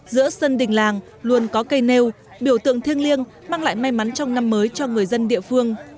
giữa sân đình làng luôn có cây nêu biểu tượng thiêng liêng mang lại may mắn trong năm mới cho người dân địa phương